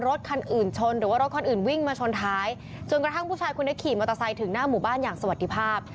รถขึ้นมาชนท้ายจนกระทั่งผู้ชายคุณนัทขี่มอเตอร์ไซล์ถึงหน้าหมู่บ้านอย่างสวัสดิภาพ